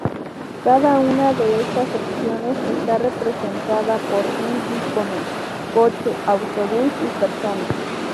Cada una de estas opciones está representada por un icono; coche, autobús y persona.